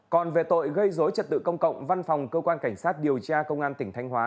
còn về tội gây dối trật tự công cộng văn phòng cơ quan cảnh sát điều tra công an tỉnh thanh hóa